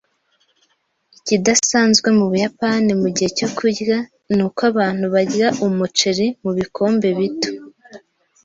Ikidasanzwe mu Buyapani mugihe cyo kurya ni uko abantu barya umuceri mubikombe bito